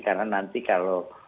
karena nanti kalau